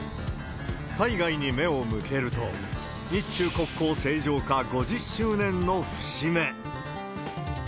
海外に目を向けると、日中国交正常化５０周年の節目。